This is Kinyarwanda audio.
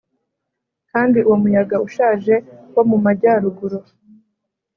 kandi uwo muyaga ushaje wo mu majyaruguru